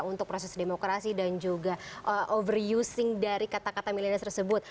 untuk proses demokrasi dan juga overruising dari kata kata milenial tersebut